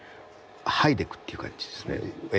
剥いでいくという感じですね。